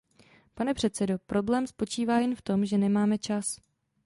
Pane předsedo, problém spočívá jen v tom, že nemáme čas.